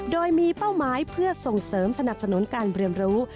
โดยมีเป้าหมายเพื่อส่งเสริมสนับสนุนการเรียนรู้